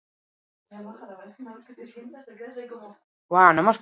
Handik aurrera, antzerkigintzan sartu zen buru-belarri.